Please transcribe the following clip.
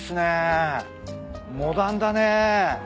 モダンだね。